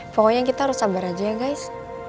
pokoknya kita harus sabar aja guys